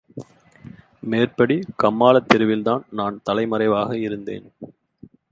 மேற்படி கம்மாள தெருவில்தான் நான் தலைமறைவாக இருந்தேன்.